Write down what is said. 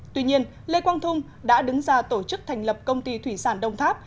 tuy nhiên lê quang thung đã đứng ra tổ chức thành lập công ty thủy sản đông tháp